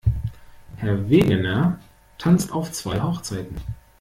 Herr Wegener tanzt auf zwei Hochzeiten.